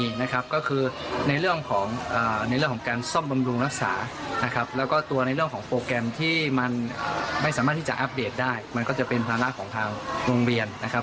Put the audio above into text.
แล้วก็อันนี้เวลาเราจะใช้ทีหนึ่งเราก็วางแผนที่จะชัดแบตเบอร์เรียบ